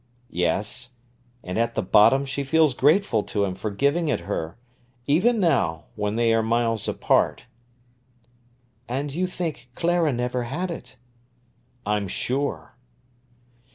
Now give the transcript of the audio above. "Yes; and at the bottom she feels grateful to him for giving it her, even now, though they are miles apart." "And you think Clara never had it?" "I'm sure."